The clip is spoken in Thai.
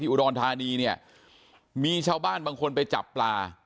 อุดรธานีเนี่ยมีชาวบ้านบางคนไปจับปลา